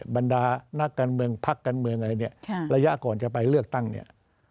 บรรดานักการเมืองพักการเมืองอะไรเนี่ยระยะก่อนจะไปเลือกตั้งเนี่ย